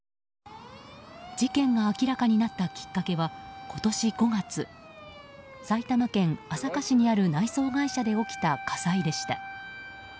事件が明らかになったきっかけは今年５月埼玉県朝霞市にある内装会社で起きた火災でした。